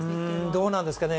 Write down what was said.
どうなんですかね